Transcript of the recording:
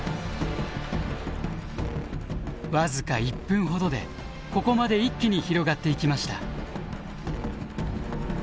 僅か１分ほどでここまで一気に広がっていきました。